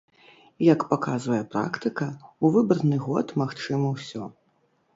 Як паказвае практыка, у выбарны год магчыма ўсё.